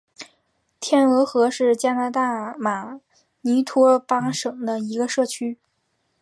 天鹅河是加拿大马尼托巴省的一个社区。